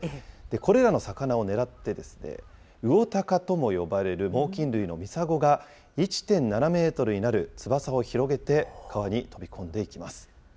これらの魚を狙って、魚鷹とも呼ばれる猛きん類のミサゴが、１．７メートルになる翼を広げて、川に飛び込んでいきます。